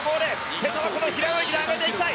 瀬戸はこの平泳ぎで上げていきたい。